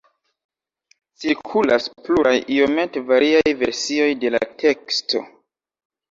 Cirkulas pluraj iomete variaj versioj de la teksto.